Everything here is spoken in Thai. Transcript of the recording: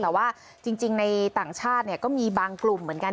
แต่ว่าจริงในต่างชาติก็มีบางกลุ่มเหมือนกัน